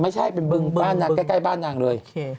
ไม่ใช่เป็นบึงบ้านนางใกล้บ้านนางเลย